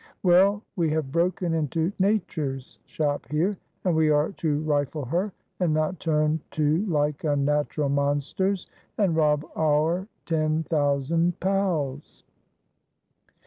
Well, we have broken into Nature's shop here, and we are to rifle her, and not turn to like unnatural monsters, and rob our ten thousand pals."